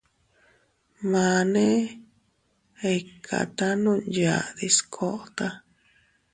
Mane iʼkata nunyadis kota.